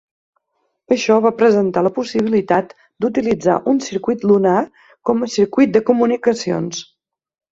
Això va presentar la possibilitat d'utilitzar un circuit lunar com a circuit de comunicacions.